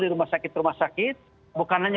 di rumah sakit rumah sakit bukan hanya